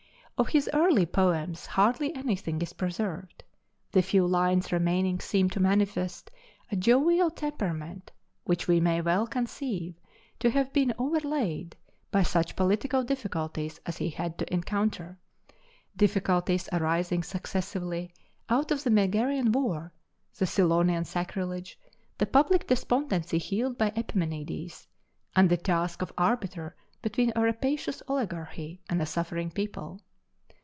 Of his early poems hardly anything is preserved. The few lines remaining seem to manifest a jovial temperament which we may well conceive to have been overlaid by such political difficulties as he had to encounter difficulties arising successively out of the Megarian war, the Cylonian sacrilege, the public despondency healed by Epimenides, and the task of arbiter between a rapacious oligarchy and a suffering people.